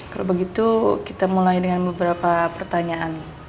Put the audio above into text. kalau begitu kita mulai dengan beberapa pertanyaan